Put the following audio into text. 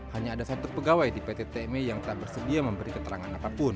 hanya ada satu pegawai di pt tmi yang tak bersedia memberi keterangan apapun